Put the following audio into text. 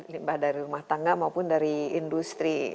limbah dari rumah tangga maupun dari industri